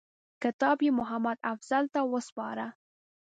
کتاب یې محمدافضل ته وسپاره.